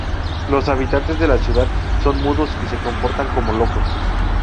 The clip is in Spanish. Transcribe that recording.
Los habitantes de la ciudad son mudos y se comportan como locos.